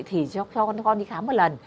thì cho con đi khám một lần